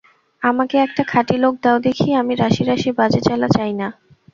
আমাকে একটা খাঁটি লোক দাও দেখি, আমি রাশি রাশি বাজে চেলা চাই না।